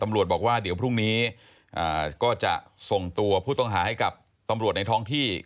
บอกว่าเดี๋ยวพรุ่งนี้ก็จะส่งตัวผู้ต้องหาให้กับตำรวจในท้องที่